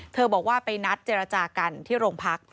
บอกว่าไปนัดเจรจากันที่โรงพัก